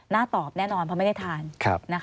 ตอบแน่นอนเพราะไม่ได้ทาน